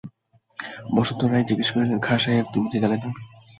বসন্ত রায় জিজ্ঞাসা করিলেন, খাঁ সাহেব, তুমি যে গেলে না?